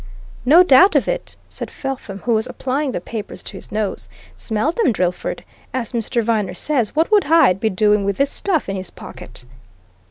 "No doubt of it!" said Felpham, who was applying the papers to his nose. "Smell them, Drillford! As Mr. Viner says, what would Hyde be doing with this stuff in his pocket?"